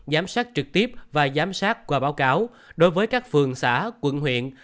giám sát trực tiếp và giám sát qua báo cáo đối với các phường xã quận huyện